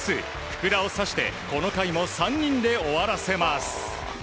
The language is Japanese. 福田を刺してこの回も３人で終わらせます。